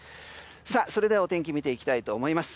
それではお天気見ていきたいと思います。